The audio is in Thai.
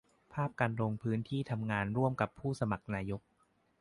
ภาพการลงพื้นที่ทำงานร่วมกับผู้สมัครนายก